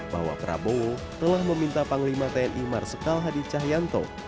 bahwa prabowo telah meminta panglima tni marsikal hadi cahyanto